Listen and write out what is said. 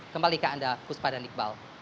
kembali ke anda kuspada nikbal